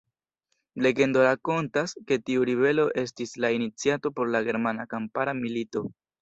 Legendo rakontas, ke tiu ribelo estis la iniciato por la Germana Kampara Milito.